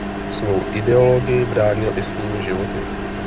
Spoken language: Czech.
Svou ideologii bránili i svými životy.